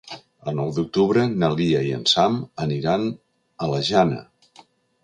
El nou d'octubre na Lia i en Sam aniran a la Jana.